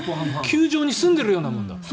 球場に住んでるようなものだ。